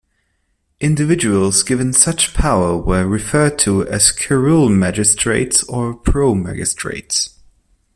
Individuals given such power were referred to as curule magistrates or promagistrates.